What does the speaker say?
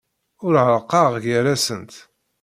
Ur ɛerrqeɣ gar-asent.